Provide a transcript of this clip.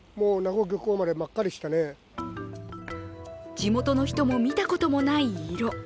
地元の人も見たこともない色。